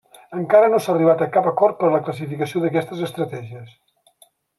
Encara no s'ha arribat a cap acord per a la classificació d'aquestes estratègies.